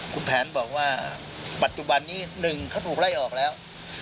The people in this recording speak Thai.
คุณแผนบอกว่าปัจจุบันนี้๑เขาถูกไล่ออกแล้ว